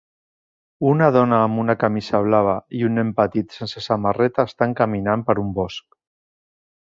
Una dona amb una camisa blava i un nen petit sense samarreta estan caminant per un bosc.